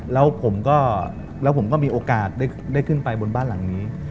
แล้วผมก็แล้วผมก็มีโอกาสได้ขึ้นไปบนบ้านหลังนี้